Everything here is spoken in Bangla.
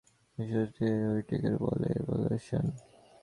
বিশ্বসৃষ্টিতে ঐটেকেই বলে এভোল্যুশন।